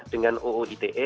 dengan ou it